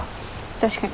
確かに。